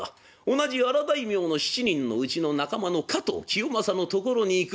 同じ荒大名の７人のうちの仲間の加藤清正のところに行く。